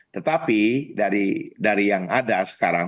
tetapi dari yang ada sekarang